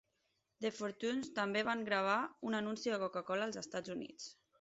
The Fortunes també van gravar un anunci de Coca-Cola als Estats Units.